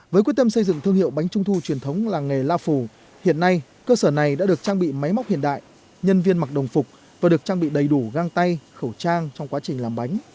với quyết tâm xây dựng thương hiệu bánh trung thu truyền thống làng nghề la phủ hiện nay cơ sở này đã được trang bị máy móc hiện đại nhân viên mặc đồng phục và được trang bị đầy đủ găng tay khẩu trang trong quá trình làm bánh